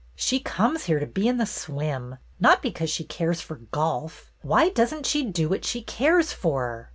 "She comes here to be in the swim, not because she cares for golf. Why does n't she do what she cares for